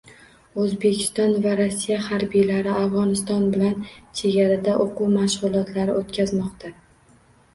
Oʻzbekiston va Rossiya harbiylari Afgʻoniston bilan chegarada oʻquv mashgʻulotlari oʻtkazmoqda.